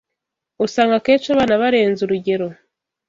usanga akenshi abana barenza urugero.